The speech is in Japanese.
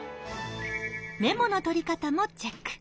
メモの取り方もチェック！